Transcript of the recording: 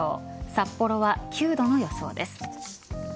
札幌は９度の予想です。